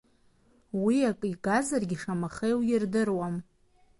Уи акы игзаргьы шамаха иуирдыруам.